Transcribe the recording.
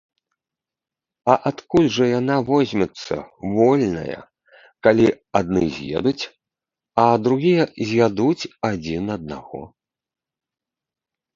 А адкуль жа яна возьмецца, вольная, калі адны з'едуць, а другія з'ядуць адзін аднаго?